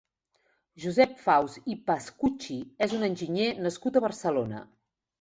Josep Faus i Pascuchi és un enginyer nascut a Barcelona.